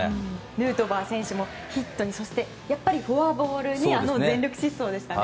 ヌートバー選手もヒットにやっぱりフォアボールにあの全力疾走でしたね。